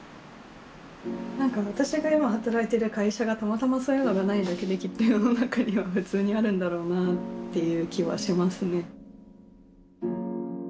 何か私が今働いてる会社がたまたまそういうのがないだけできっと世の中には普通にあるんだろうなという気はしますね。